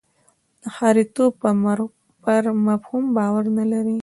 د ښاریتوب پر مفهوم باور نه لري.